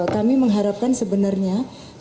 kami mengharapkan sebenarnya pak